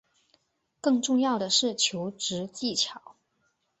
更重要的是求职技巧